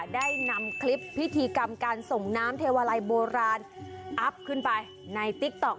ได้นำคลิปพิธีกรรมการส่งน้ำเทวาลัยโบราณอัพขึ้นไปในติ๊กต๊อก